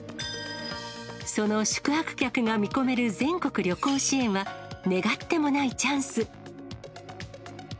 その宿泊客が見込める全国旅行支援は、願ってもないチャンス。